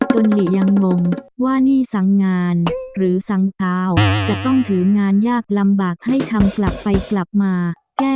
หลียังงงว่านี่สังงานหรือสังคราวจะต้องถืองานยากลำบากให้ทำกลับไปกลับมาแก้